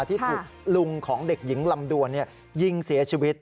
ที่ถูกลุงของเด็กหญิงลำดวนยิงเสียชีวิต